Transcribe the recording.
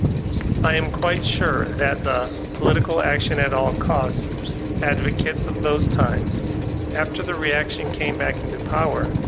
I am quite sure that the political action at all costs advocates of those times, after the reaction came back into power.